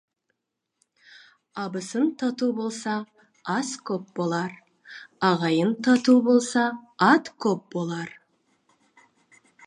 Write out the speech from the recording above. Абысын тату болса, ас көп болар, ағайын тату болса, ат көп болар.